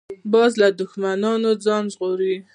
باز له دوښمنو ځان ژغوري